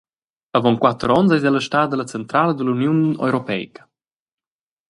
Avon quater onns eis ella stada ella centrala dalla Uniun Europeica.